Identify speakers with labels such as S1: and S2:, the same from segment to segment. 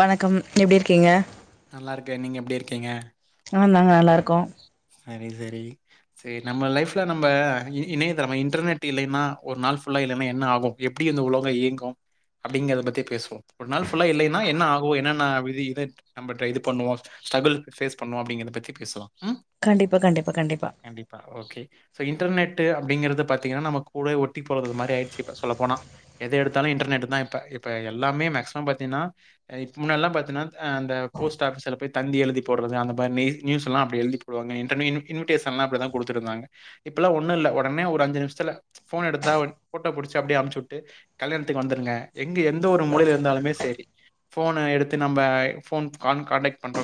S1: வணக்கம் எப்டி இருக்கீங்க
S2: நல்லா இருக்க நீங்க எப்படி இருக்கீங்க
S1: ஆ நா நல்லா இருக்க கோம்
S2: சரி சரி சரி நம்ம லைஃப்ல நம்ம இணையதளம் இன்டர்நெட் இல்லைன்னா ஒரு நாள் ஃபுல்லா இல்லைன்னா என்ன ஆகும் எப்படி வந்து உலங்க இயங்கும் அப்படிங்கறத பத்தி பேசுவோம் ஒரு நாள் அப்டி லா இல்லைன்னா என்ன ஆகும் என்னன்ன [unintelligible] இத பண்ணுவோம் ஸ்ட்ருக்ள் ஃபேஸ் பண்ணுவோம் அப்டிங்கரத பத்தி பேசுலாம்
S1: கண்டிப்பா கண்டிப்பா கண்டிப்பா
S2: ஓகே. ஸோ இன்டர்நெட்டு அப்படிங்கிறது பாத்திங்கண்ணா நம்ம கூட ஒட்டி போகறது மாரி ஆயீடுச்சுப்ப சொல்ல போனா எது எடுத்தாலும் இன்டர்நெட் தான் இப்ப இப்போ எல்லாமே மேகஸிமம் பாத்திங்கனா முன்னெல்லாம் பாத்திங்கனன்னா அந்த போஸ்ட் ஆஃபிஸில் போயி தந்தி எழுதி போட்றது அந்த மாரி நியூ நியூஸ்லாம் ழுே இாம் ஒும் இ உடனே ஒரு அஞ்சு நிமி எ போட்டோடி அ அச்சட்டு கல்யாணத்துக்கு வங்க எந்த ஒருொழ இருந்தாலமே சரி எடுத்தும்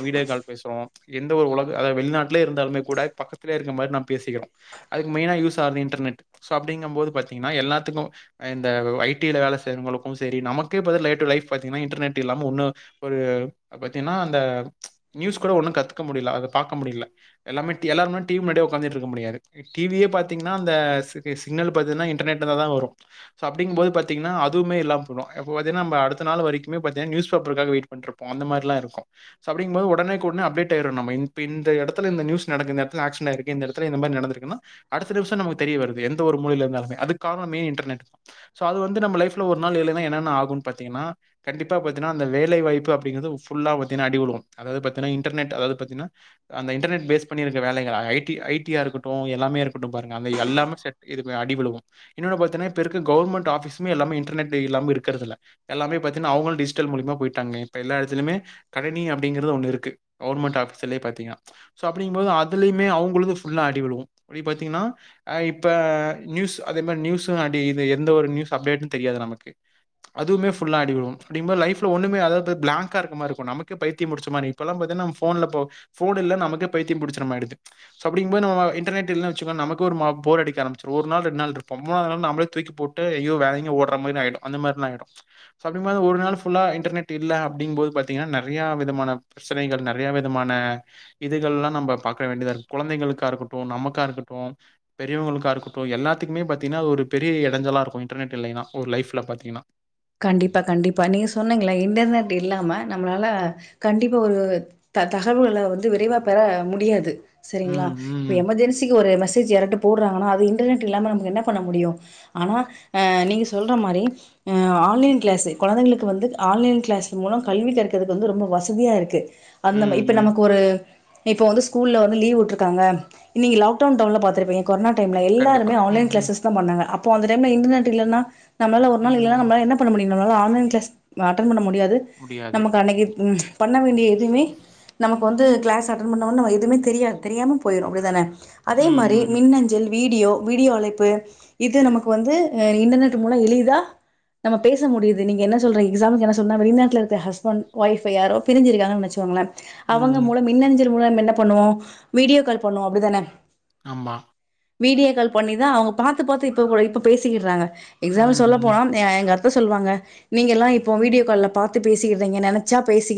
S2: வீடியோ பேசுறோம் எந்த ஒரு உலக வெளிநாட்ட இருந்த கூ பக்க இருசிற கக்க முடிய பார்க்க முடியல எல்லாமே எல்லா நேரமு டிவி முன்னாடி உட்காந்துட்டு இருக்க முடியாது டிவிய பார்த்தீங்கன்னா அந்த சிக்ன பாத்திங்கன இன்டர்நெட் தான் வரும் சோ அப்படிும்பது பார்த்திங்கன்ன அதுவும இல்லாம போடும் இப்ப பாத்திங்கன்னா நம் அடுத்த நாள் வரைக்கும பாத்திங்கண்ணா நியூஸ் பேப்பருக்காக வெயிட் பண்ணிருப்போ அந்த மாரிலாம் இருக்கும் சோ அப்படிும் போது உடேக்குடனே அப்டேட்யிடும் நம் இப்போ இந்த எடத்துல இந்த நியூஸ் நடக்கு இந்த ஆக்சிடென்ட் ஆயிருக்கு இந்த இடத்துல இந்த மாரி நடக்குருக்குணா அடுத்த நிமிசம் நமக்கு தெரிய வருது எந்த ஒரு மூலையில இருந்ததாலுமே அதுக்கு காரணம் மெயின் இன்டர்நெட் சோ அது வந்து நம்ம லைஃப் ஒரு நாள் இல்லைன்ன என்னன்ன ஆகும்னு பார்த்துகினா கண்டிப்பா பார்த்துகின்னா அந்த வேலை வாய்ப்பு அப்படிங்கிறது ஃபுல்லா பார்த்திங்கண்ண அடி விழுவும் இன்டர்நெட் அதாவது பார்த்தங்கனா அந்த இன்டர்நெட் பேஸ் பண்ணி இருக்க வேலைகல் ஐ டி ஐ டி இருக்கட்டும் எல்லாமே இருக்கட்டும் பாருங்க எல்லாமே அடி உழுவும் இன்னொன்னு பார்த்திக்னா இப்ப இருக்கிற கவர்மெண்ட் ஆபீஸ் மே இன்டர்நெட் இல்லாம இருக்கிறது இல்ல எல்லாமே பாத் அவங்க டிஜிட்டல் மூலியமா போயிட்டா இப்ப எடத்துலுமே கணினி அப்படிங்கற ஒு இருக்கு கவுர்மெண்ட் ஆீ த்தீங்காோ அப்படிும்போது அதுலயுமே அவங்களுக்குபல்லா அடி விடுவ அப்பத்தீங்கன்னா்ப்ப நியூஸ் அதே மாதிரி நியூடி எந்த ஒரு நியூஸ் அப்டேடனு தெரியாது நமக்கு அதுமேுல்லா அடிவிடும் அப்படிபது லைப்ல ஒண்ணமே அத பிளங்கா இருக்க மாதிரி இருக்கும் நமக்கு பைத்தி முடிச்ச மாதிரி இப்பல்லாம்ன்ல மான பிரச்சனைகள் நிறைய விமான இதுகள் எல்லாம் நம்ம பார்க வேண்டியதா இரு குழந்தைகளுக்கா இருக்கட்டும் நமக்கா இருக்கட்டும் பெரியவங்களுக்கா இருக்கட்டும் எல்லாத்துக்குமே பாத்தீங்கன்னா அது ஒரு பெரிய இடைஞ்சலா இருக்கும் இன்டர்நெட் இல்லைன்னா ஒரு லைஃப்ல பாத்தீங்கன்னா
S1: கண்டிப்பா கண்டிப்பா நீங்க சொன்னீங்களா இன்டர்நெட் இல்லாம நம்மளால கண்டிப்பா ஒரு தகவல்க வந்து விரைவா பெற முடியாது சரிங்களா
S2: ம்
S1: இப்ப
S2: ம்
S1: எமர்ஜென்சிக்கு ஒரு மெஸ் மெசேஜ் யாரது போட்றாங்க நா இன்டர்நெட் இல்லாம ந என்ன பண்ண முடியும் ஆனா நீங்க சொல்ற மாதிரி ஆ ஆன்லைன் கிளாஸ்ஸு குழந்தைங்களுக்கு வந்து ஆன்லைன் கிளாஸ் மூலம் கல்வி கர்க்கிறதுக்கு வந்து ரொம்ப வசதியாக இருக்கு அந்த
S2: ம்
S1: இப்ப
S2: ம்
S1: நமக்கு ஒரு இப்போ வந்து ஸ்கூல வந்து லீவ் உட்டுருக்காங்க நீங்க லாக்டவுன் டைம்ல பாத்ருப்பீங்க கொரோா டைம்
S2: கண்டிப்பா
S1: எல்லாருமே
S2: ம்
S1: ஆன்லைன்
S2: ம்
S1: கிளாஸஸ் தான் பண்ணாங்க அப் அப்போ அந்த டைம் இன்டர்நெட் இல்லன்னா நம்ளால ஒரு
S2: ம்
S1: நாள்
S2: ம்.
S1: இல்லான்ன பண்ண முடியும்னால ஆன்லைன் கிளஸ் அட்டன் பண்ண முடியாது து
S2: முடியாது
S1: நமக்கு அன்னைக்கு ஹும் வேண்டிய எதுமே நமக்கு வந்து கிளஸ் அட்டன் பண்ணான்னு நம்ம எதுவும தெரியாது தெரியாம போயிடும் அப்படி தானே அதே
S2: ம்
S1: மாரி
S2: ம் ம்
S1: மின்னஞ்சல் வீடியோ வீடியோ அழைப்பு இது நமக்கு வந்து இன்டர்நெட் மூலம் எளிதா நம்ம பேச முடியுது நீங்க என்ன சொல்றங்க எஸாம்பிளுக்கு என்ன சொன்னா வெளிநாட்டுல இருக்க ஹஸ்பண்ட் வைஃப் யாரோ பிரிஞ்சிருக்காங்கன்னு வச்சுக்கோங்கலே அவங்க
S2: ம்.
S1: மூலம் மின்னஞ்சல் மூலம் என் பண்ணுவோம் வீடியோ கால் பண்ணுவோம் அப்படிதானே
S2: ஆம்மா
S1: வீடியோ கால் பண்ணிதான் அவங்க பாத்து பாத்து இப்ப கூட இப்ப பேசிக்கிடுறாங்க எக்ஸாம்பிள்
S2: ம்
S1: சொல்லப்
S2: ம்
S1: போன எங்க அத்த சொல்வாங்க நீங்க எல்லாம் இப்ப வீடியோ க பார்த்து பேசுகிறீங்க நினைச்ச பேசு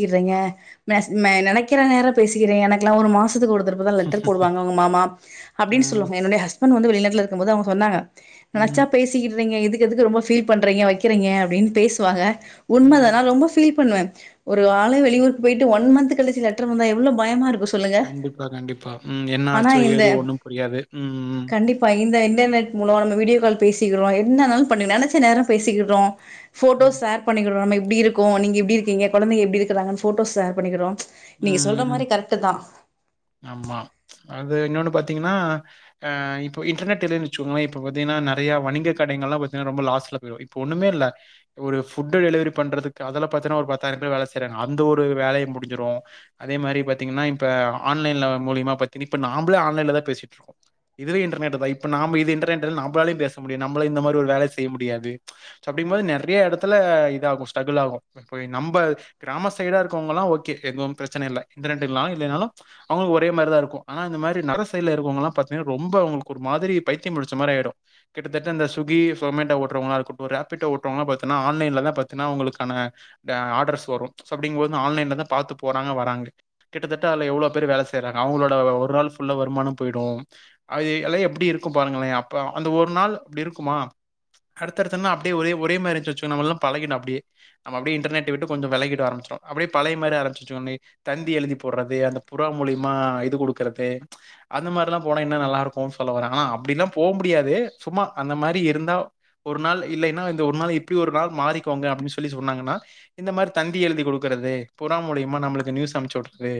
S1: மெ நினைக்க நேர பேசுகிறீங்க எனக்குலா ஒரு மாசம் கொடுதான் லெட்டர் போடுவங்க உங்க மாமா அப்படின்னு
S2: ம்
S1: சொல்லுவாங்க என்னுடைய ஹஸ்ப வந்து வெளிநாட்ல இருக்கும் போது அவங்க சொன்னாங்க
S2: ம்
S1: நினைச்சா பேசிக்கிறு நீங்க இதுக்கு ரொம்ப ஃபீல் பண்ணுறீங்க வெக்கிறீங்க அப்படின்னு பேசுவாங்க உண்ம
S2: ம்
S1: தானா நான் ரொம்ப ஃபீல் பண்ணுவேன் ஒரு ஆள வெளியூருக்கு போயிட்டு ஒன் மந்த் கழிச்ச லெட்டர் வந்தா எவ்ளோ பயமா இருக்கு சொல்லுங்க
S2: கண்டிப்பா கண்டிப்பா உம் என்ன
S1: ஆனா
S2: ஆச்சோ
S1: இந்த
S2: ஏது ஒண்ணும் புரியாது உம் உம்
S1: கண்டிப்பா இந்த இன்டர்நெட் முலம்ம வீடியோ கால் பேசிக்கிறோ என்னாலும் பண்ணு நெனச்ச நேரம் பேசிக்கிடுறோம் போட்டோ
S2: ம்
S1: ஷேர் பண்ணிக்கடுரோம் நம் இ எப்படி இருக்கும் நீங்க எப்படி இருக்கீங்க கொழந்தைங்க எப்படி இருக்காங்கன்னு ஃபட்டோஸ் ஷெர் பண்ணிக்கிறோம்
S2: உம் ஆமா அது இன்னொன்னு பாத் பாத்தீங்கன்னா அஹ் இப்ப இன்டர்நெட் இதுன்னு வச்சுக்கோங்களே இப்ப பாத்தீங்கன்னா நெறைய வணிக கடைகள் எல்லாம் லாஸ்ல போயிரும் இப்போ ஒண்ணுமே இல்ல இப்போ ஒரு ஃபுட் டெலிவரி பண்றதுக்கு அதெல்லாம் பாத்தீங்கன்னா ஒரு பத்தாயிரம் பேர் வேலை செய்றாங்க அந்த ஒரு வேலையும் முடிஞ்சிறும் அதே மாதிரி பாத்திங்கனா இப்ப ஆன்லைன்ல முழியமா பாத் நாமலே ஆன்லைன்ல தான் பேசிட்டு இருக்கோம் இதுவே இன்டர்நெட் தான் நாம் இது இன்டர்நெட் இல்லனா பேச முடியா நாம்மலே இந்த மாதிரி ஒரு வேலை செய்ய முடியாது அப்படின்னும் போது நெறைய இடத்துல இதா ஆகும் ஸ்டரகுலாகும் நம்ப நம்ம சைடுல இருக்கவங்க எல்லாம் ஓகே பிரச்சனை இல்ல [unintelligible] இல்லனாலும் அவங்களுக்கு ஒரே மாதிரி தான் இருக்கும் ஆனா இந்த மாதிரி நர சைடுல இருக்கிறவங்க எல்லாம் பாத்தீங்கனா ரொம்ப ஒரு மாதிரி பைத்தியம் புடிச்ச மாதிரி ஆயிரும் கிட்டத்தட்ட இந்த சுகி ஜொமேட்டோ போட்டுறவங்களா இருக்கட்டும் ராப்பிடொ ஓட்டுறவங்கள பாத்தீங்கன்னா ஆன்லைன்ல பாத்தீங்கன்னா அவங்களுக்கான ஆர்டர்ஸ் வரும் சோ அப்படிங்கும் போது ஆன்லைன்ல தான் பாத்து போறாங்க வராங்க கிட்டத்தட்ட எவ்ளோ பேரு வேலை செய்றாங்க அவங்களது வருமானம் ஃபுல்லா போயிடும் எல்லாம் எப்படி இருக்கும் பாருங்களேன் அப்போ அந்த ஒரு நாள் இருக்குமா அடுத்தடுத்த நாள் ஒரெ மாறி [unintelligible] நாம் அப்படியே இன்டர்நெட் விட்டு விலக ஆரம்பிச்சு அப்படியே பழைய மாதிரி ஆரம்பிச் தந்தி எழுதி போடுறது அந்த புறா மூலியமா இது கொடுக்கறது அந்த மாதிராலாம் போன நல்லா இருக்கும் சொல்ல வ ஆனா அப்படிலாம் போ முடியாது சும்மா அந்த மாதிரி இருந்தா ஒரு நாள் இல்லைன்னா இந்த ஒரு நாள் இப்ப ஒரு நா மாறிக்கோங்க அப்படின்னு சொல்ல சொன்னாங்கன்ன இந்த மாதிரி தந்தி எழுதி குடுக்கறது புறா முலியமா நமக்கு நியூஸ் அமுச்சு விடுறது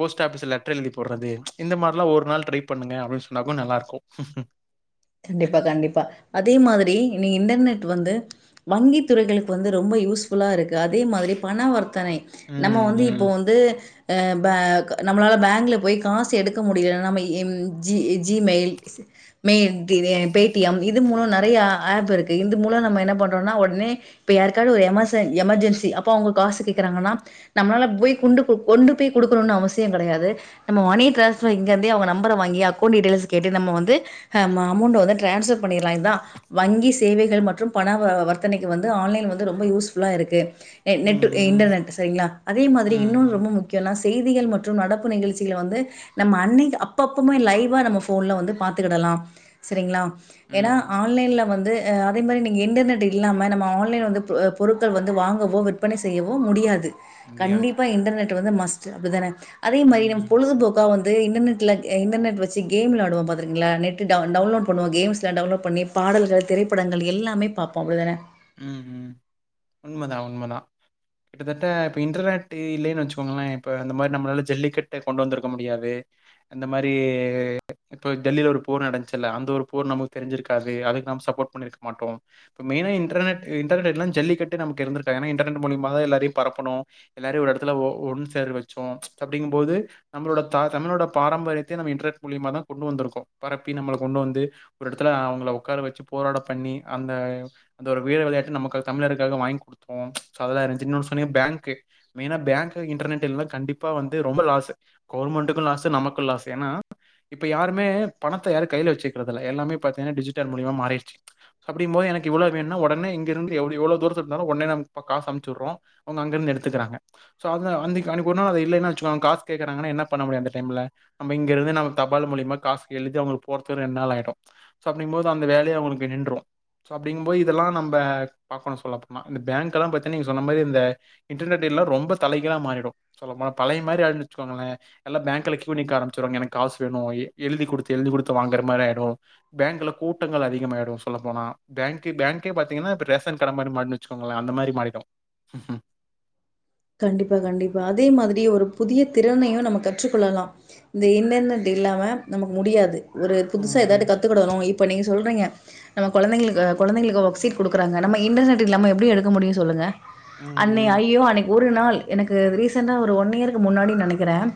S2: போஸ்ட் ஆபிஸ் லெட்டர் எழுதி போடுறது இந்த மாதிரிலாம் ஒரு நாள் டிரை பண்ணுங்க அப்படின்னு சொன்னா நல்லா இருக்கும்
S1: கண்டிப்பா கண்டிப்பா அதே மாதிரி இனி இன்டர்நெட் வந்து வங்கி துறைகளுக்கு வந்து ரொம்ப யூஸ்ஃபூல்லா இருக்கு அதே மாதிரி பண வர்த்தனை நம்ம
S2: ம்
S1: வந்து இப்போ
S2: ம்
S1: வந்து பே நம்மளால பேங்கில் போய் காசு எடுக்க முடியலனா நம்ம எ G Gmail mail Paytm இது மூலம் நெறயா ஆப் இருக்கு இந்த மூலம் நம்ம என்ன பண்றோனா உடனே இப்ப யாருக்காவது ஒரு எமர்ஜென்சி அப்ப அவுங்க காசு கேக்குறாங்கன்னா நம்மளால போய் கொ கொண்டு போய் குடுக்கணுனு அவசியம் கெடையாது நம்ம மணி டிரான்ஸ்பர் அவுங்க நம்பர வாங்கி அக்கௌன்ட் டீடைல்ஸ் கேட்டு நம்ம வந்து அமௌண்ட வந்து ட்ரான்ஸ்ஃபர் பண்ணிரலா இதா வங்கி சேவைகள் மற்றும் பண வ வர்த்தனைக்கு வந்து ஆன்லைன் வந்து ரொம்ப யூஸ் ஃபுல்லா இருக்கு
S2: ம்
S1: நெட்
S2: ம்
S1: இன்டர்நெட் சரிங்ளா அதே மாரி இன்னொன்னு
S2: ம் ம்
S1: ரொம்ப முக்கியோனா செய்திகள் மற்றும் நடப்பு நிகழ்ச்சிகள வந்து நம்ம அன்னைக்கு அப்பப்பமே லைவா நம்ம போன்ல வந்து பாத்துக்கிடலா சரிங்ளா ஏனா
S2: ம்
S1: ஆன்லைன்ல வந்து அதே மாரி நீங்க இன்டர்நெட் இல்லாம நம்ம ஆன்லைன் வந்து பொ பொருட்கள் வந்து வாங்கவோ விற்பனை செய்யவோ முடியாது
S2: முடியாது
S1: கண்டிப்பா இன்டர்நெட் வந்து மஸ்ட் அப்படிதான அதே
S2: ம்
S1: மாரி நம் பொழுதுபோக்கா வந்து இன்டர்நெட்ல இன்டர்நெட் வெச்சு கேம் வெளாடுவோ ஆடுவ பாத்திருக்கீங்ளா நெட் டவுன் டவுன்லோட் பண்ணுவோ கேம்ஸ்ல டவுலோட் பண்ணி பாடல்கள் திரைப்படங்கள் எல்லா பாப்போ அப்டித்தான
S2: உம் உண்மதா உண்மதா கிட்டத்தட்ட இப்ப இன்டர்நெட் இல்லைனு வெச்சுக்கோங்களேன் இப்ப இந்த மாரி நம்மளால ஜல்லிக்கட்ட கொண்டு வந்திருக்க முடியாது இந்த மாதிரி இப்ப டெல்லில ஒரு போர் நடந்துச்சல்ல அந்த ஒரு போர் நமக்கு தெரிஞ்சிருக்காது அதுக்கு நம்ம சப்போர்ட் பண்ணிருக்க மாட்டோ இப்ப மெய்னா இன்டர்நெட் இன்டர்நெட் எல்லா ஜல்லிக்கட்டு நமக்கு இருந்திருக்கா ஏனா இன்டர்நெட் மூலியமா தா எல்லாரையு பரப்பணு எல்லாரையு ஒரு எடத்துல ஒ ஒன்னு சேர வச்சோ அப்படிங்கும் போது நம்மளோட த தமிழோட பாரம்பரியத்தையு நம்ம இன்டர்நெட் மூலியமா தா கொண்டு வந்திருக்கோ பரப்பி நம்மள கொண்டு வந்து ஒரு எடத்துல அவங்கள உக்கார வச்சு போராட பண்ணி அந்த அந்த ஒரு வீர விளையாட்டு நமக்கு தமிழருக்காக வாங்கி குடுத்தோ சோ அதெல்லா இருந்ச்சு இன்னொனு சொன்னீங்க பேங்க்கு மெயின பேங்க்கு இன்டர்நெட் இல்லேன கண்டிப்பா வந்து ரொம்ப லாஸ் கவுர்மெண்ட்கு லாஸ் நமக்கு லாஸ் ஏனா இப்ப யாருமே பணத்த யாரு கையில வச்சுக்கிறதுல்ல எல்லாமே பாத்தினா டிஜிட்டல் மூலியமா மாறிடுச்சு அப்பிடிம்போது எனக்கு இவ்ளோ வேணுண உடனே இங்கிருந்து எவ்வளவு தூரம் இருந்தாலும் உடனே காசு அனுப்பிருறோம் அவங்க அங்கிருந்து எடுத்துக்கிறாங்க சோ அன்னிக்கு ஒர்நா இல்லன்னா வச்சுக்கோ காசு கேக்கறாங்ன நான் என்ன பண்ண முடியும் அந்த டைம்ல நாம இங்கிருந்து தபால் மூலிமா காசுஎழுதி போடறதுக்குள்ள ரெண்டு நாள் ஆயிடும் சோ அப்டின்னும் போது அந்த வேவய நின்றும். அப்படின்னு போய் இதெல்லாம் நம்ம பேங்க்ல பாத்தீங்கன்னா நீங்க சொன்ன மாதிரி இன்டர்நெட்எல்லம் ரொம்ப தலகிழ மாறிடும் சொல்லபோனாபழைய மாதிரிஆயிடும் வச்சுகங்க எல்ல பேங்க்ல கீயூ நிக்க ஆரம்பிச்சிடுவாங்க ஏன்ன காசு வேணும் எழுதிகுடுத்து எழுதிகுடுத்து வாங்ற மாதிரி ஆயிடும் பேங்க்ல கூட்டங்கள் அதிகமாயிடும் சொல்லபோன பேங்கே பாத்தீங்கன்னா ரேஷன் கடை மாதிரி மாடல் வச்சுக்கோங்களே அந்த மாதிரி மாறிடும்
S1: கண்டிப்பா கண்டிப்பா அதே மாதிரி ஒரு புதிய திறனையும் நம்ம கற்றுக்கொள்ளலாம் இந்த இன்டர்நெட் இல்லாம நமக்கு முடியாது ஒரு புதுசா
S2: ம்,
S1: ஏதாவது
S2: ம்.
S1: கத்துக்கிடணும் இப்போ நீங்க சொல்கிறீங்க நம்ம குழந்தைங்களுக்கு குழந்தைங்களுக்கு ஒர்சீட் கொடுக்குறாங்க நம்ம இன்டர்நெட் இல்லம நம்ம எப்படி எடுக்க முடியும் சொல்லுங்க
S2: ம்,
S1: அனனே
S2: ம்.
S1: ஐயோ அனை ஒரு நாள் எனக்கு ரீசெண்ட்டா ஒரு ஒன் இயருக்கு முன்னாடி நினைகிறேன்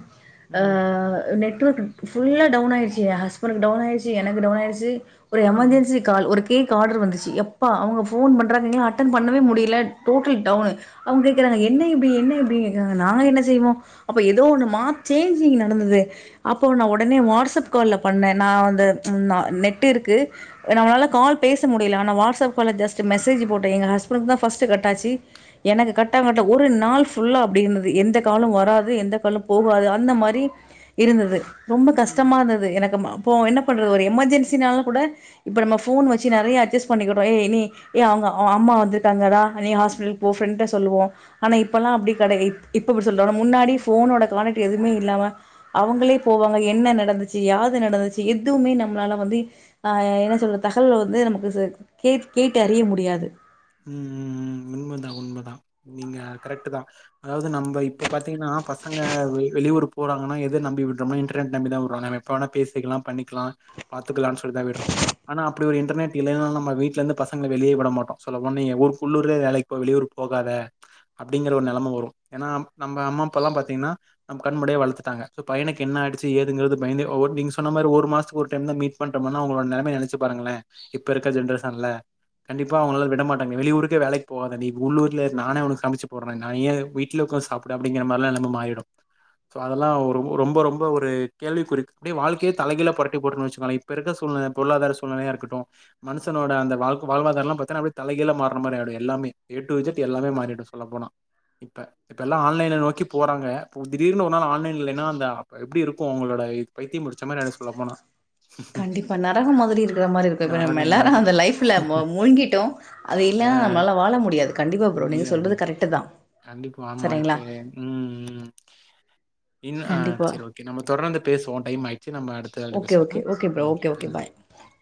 S1: அ
S2: ம்,
S1: அ உனுக்குஃபுல்லா டவுன் ஆயிச்சி என் ஹஸ்ப்ன்க்கு டவுன்ஆயிச்சு எனக்கு டவுன் ஆயிச்சி. ஒரு
S2: ம்.
S1: எமர்ஜென்சி கால் ஒரு கேக் ஆர்டர் வந்துச்சு எப்பா அவங்க போன் பண்றாங்க அட்டன் பண்ணவே முடியல டோட்லி டவுன்அவங்க கேக்றாங்க என்னயிது என்னயிது இன் னுநா என்ன செய்வோம் அப்ப ஏதோ ஒன்னுமப்சேஞ் நடந்தது அபோ நா உடனே வாடஸ்அப்கால பண்ணேன்நா நெட்இருக்கு நம்மளால கால் பேச முடியல ஆனா வாட்ஸ்அப்கால் ஜெஸட் மெசேஜ் போட்டேன் எ்ங்க ஹஹ்பன்த‌ பஸ்ட் ‌கட்‌ஆச்சி எனது கட்ட ஒரு நாள் ஃபுல்லா அப்படி இருந்தது எந்த காலம் வராது எந்த காலம் போகாது அந்த மாரி இருந்தது ரொம்ப
S2: ம்.
S1: கஷ்டமா இருந்தது எனக்கு என்ன பண்ண ஒரு எமர்ஜென்சின கூட இப்ப நம்ம போன் வச்சி நிறய அஜ்ஜஸ் பண்ணிக்றோம் அம்மா வண்டங்கள நீ ஹாஸ்டல் போன்னு ப்ராண்ஸ்கிட்டசொல்வோம் ஆனா இப்பெல்லாம் அப்படி கிடையா இப்ப இப்படி சொல்றன முன்னாடி போனோட காானெக்ட் எதுவுமே இல்லாம அவங்களே போவாங்க என்ன தங்கச்சி யாது நடந்து எதுவுமே நம்மளால வந்து அஎன்ன சொல்ற தகல் வந்து நமக்கு கேட் கேட்டு அறிய முடியாது
S2: உண்மை தான் உண்மை தான் நீங்கள் கரெக்டு தான் அதாவது நம்ம இப்போ பாத்தீங்கன்னா பசங்க வெளியூர் போறங்கன்ன எத நம்பி விடுறோம்னா இன்டர்நெட் நம்பி தான் விடுறோம் நம்ம எப்ப வேணா பேசிக்கலாம் பண்ணிக்கலாம் பாத்துக்கலாம்னு சொல்லி தான் விடுறம் ஆனால் அப்படி ஒரு இன்டர்நெட் இல்லனா நம்ம வீட்டிலருந்து பசங்கள வெளியே விட மாட்டோம் சொல்லபோனா நீ ஊள்ளுர்ல வேலைக்கு போ வெளியூர்ல போகாத அப்டிங்கற ஒரு நலமை வரும் ஏன்னா நம்ம அம்மா அப்ப எல்லாம் பாத்தீங்கன்னா நம் கண்முடிய வளர்த்துட்டாங்க சோ பைணக்கு என்ன ஆயிடுச்சு ஏதுங்க பயந்து நீங்க சொன்ன மாதிரி ஒரு மாசத்துக்கு ஒரு டைம் தான் மீட் பண்ற அவங்களோட நிலைமை நினைச்சு பாருங்கள இப்ப இருக்க ஜென்ரேஷன்ல கண்டிப்ப அவங்களால விடமாட்டாங்க வெளியூர்க்கு வேலைக்கு போகாத நீ உள்ளூர்ல நானே உனக்கு சமைச்சு போடற நய்யே விட்ல உக்காந்து சாப்டு அப்டிங்கறமாறி எல்லா இல்லாம மாறிடு சோ அதெல்லா ஒரு ரொம்ப ரோம்ப ஒரு கேள்விக் குறிக் அப்டியே வாழ்க்கையே தலகீழா போறட்டி போட்று வெச்சுங்களே இப்ப இருக்க சூழ்நில பொருளாதார சூழ்நிலையா இருக்கட்டு மனுசனோட அந்த வாழ்க்க வாழ்வாதார எல்லா பாத்தனா அப்டியே தலகீழா மாறன மாரியாயிடு எல்லாமே ஏ டூ இஜெட் எல்லாமே மாறிடு சொல்ல போனா இப்ப இப்ப எல்லா ஆன்லைன நோக்கி போறாங்க போ திடீர்னு ஒரு நாள் ஆன்லைன்ல இல்லினா அந்த எப்டி இருக்கு உங்களோட இ பைத்தியொ பிடுச்ச மாரி ஆயிடு சொல்ல போனா
S1: கண்டிப்பா நரகம் மாதிரி இருக்ற மாரி இருக்கு இப்ப நம்ம
S2: நரகம்
S1: எல்லாரு
S2: ஆயிரும்.
S1: அந்த லைஃப்ல மொ மூழ்ங்கிட்டோ
S2: அ
S1: கண்டிப்பா ப்ரோ நீங்க
S2: முடியாது
S1: சொல்றது கரெக்ட்டு தான்.
S2: கண்டிப்பா ஆமா
S1: சரிங்களா?
S2: இப்பே ம் ம் இன் அ
S1: கண்டிப்பா.
S2: செரி ஓகே நம்ம தொடர்ந்து பேசுவோ டைம் ஆயிட் செர் நம்ம அடுத்து அழைப்பி
S1: ஓகே,
S2: பேசுவோ
S1: ஓகே,
S2: உம் ம்
S1: ப்ரோ.
S2: ஓகே ம்
S1: பாய்.
S2: ம்